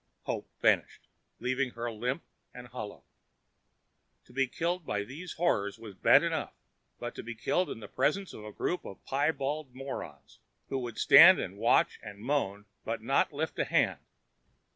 Hope vanished, leaving her limp and hollow. To be killed by these horrors was bad enough, but to be killed in the presence of a group of piebald morons, who would stand and watch and moan, but not lift a hand